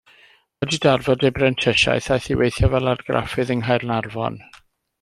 Wedi darfod ei brentisiaeth aeth i weithio fel argraffydd yng Nghaernarfon.